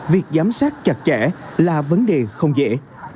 việc giám sát chặt chẽ là vấn đề không dễ